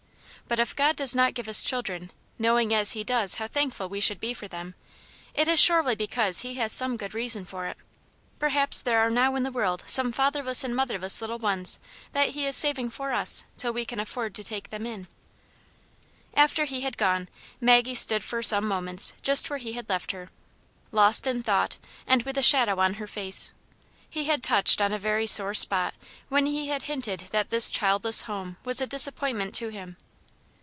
But if God does not give us children, knowing as He does how thankful we should be for them, it is surely because He has some good reason for it. Perhaps there are now in the world some fatherless 21 8 Aunt pane's Hero. and motherless little ones that He is saving for us till we can afford to take them in." After he had gone, Maggie stood for some moments just where he had left her, lost in thought, and with a shadow on her face. He had touched on a very sore spot when he had hinted that this childless home was a disappointment to him.